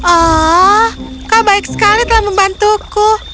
oh kau sangat baik telah membantuku